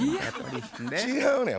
違うねん。